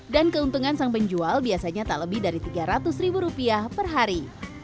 dan keuntungan sang penjual biasanya tak lebih dari tiga ratus rupiah per hari